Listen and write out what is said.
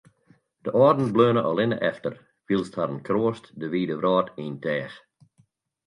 De âlden bleaune allinne efter, wylst harren kroast de wide wrâld yn teach.